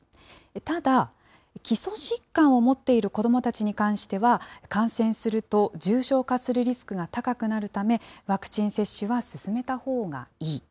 ただ、基礎疾患を持っている子どもたちに関しては、感染すると重症化するリスクが高くなるため、ワクチン接種は進めたほうがいい。